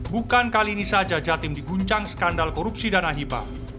bukan kali ini saja jatim diguncang skandal korupsi dan ahibah